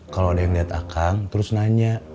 kalau ada yang lihat akang terus nanya